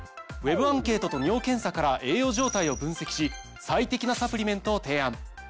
ＷＥＢアンケートと尿検査から栄養状態を分析し最適なサプリメントを提案。